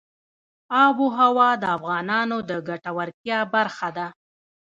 آب وهوا د افغانانو د ګټورتیا برخه ده.